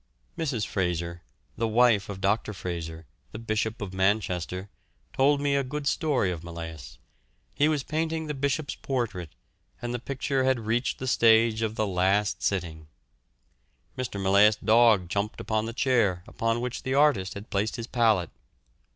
Mrs. Fraser, the wife of Dr. Fraser, the Bishop of Manchester, told me a good story of Millais. He was painting the Bishop's portrait, and the picture had reached the stage of the last sitting. Mr. Millais' dog jumped upon the chair upon which the artist had placed his palette.